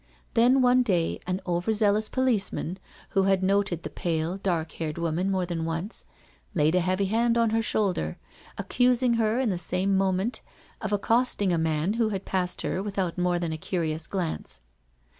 Then one day an over zealous policeman, who had noted the pale, dark haired woman more than once, laid a heavy hand on her shoulder, accusing her in the same moment of accosting a man who had passed her without more than a curious glance.